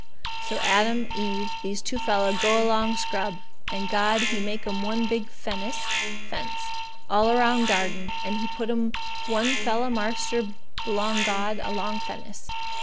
"So Adam Eve these two fella go along scrub. And God He make 'm one big fennis (fence) all around garden and He put 'm one fella marster belong God along fennis.